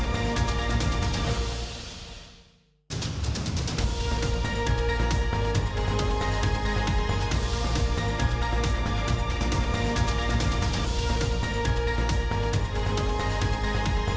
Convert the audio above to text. สวัสดีค่ะ